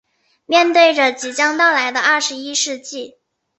面对着即将到来的二十一世纪